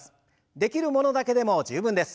できるものだけでも十分です。